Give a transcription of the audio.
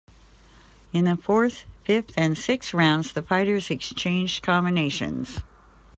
In the fourth, fifth and sixth rounds the fighters exchanged combinations.